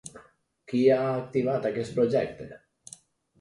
Qui ha activat aquest projecte?